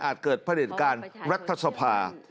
อาจเกิดประเด็นการรัฐสภา